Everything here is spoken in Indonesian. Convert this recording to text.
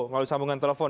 mau sambungan telepon